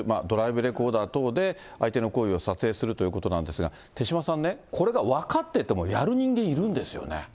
ドライブレコーダー等で相手の行為を撮影するということなんですが、手嶋さんね、これが分かっててもやる人間いるんですよね。